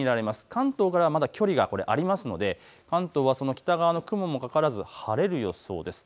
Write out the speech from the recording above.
関東からはまだ距離があるので関東はその北側の雲もかからず晴れる予想です。